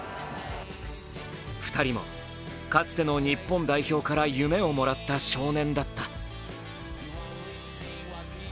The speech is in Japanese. ２人もかつての日本代表から夢をもらった少年だった。